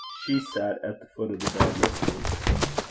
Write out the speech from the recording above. She sat at the foot of the bed listening.